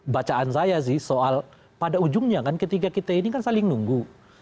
bacaan saya sih soal pada ujungnya kan ketiga kita ini kan saling nunggu